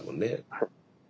はい。